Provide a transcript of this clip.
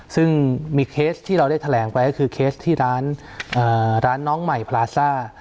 ซึ่งมีเคสที่เราได้แถลงไปก็คือเคสที่ร้านน้องใหม่พลาซ่า